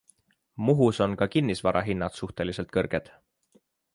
Muhus on ka kinnisvara hinnad suhteliselt kõrged.